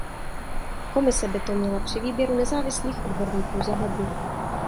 Komise by to měla při výběru nezávislých odborníků zohlednit.